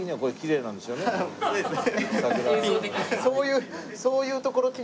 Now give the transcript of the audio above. そうですね。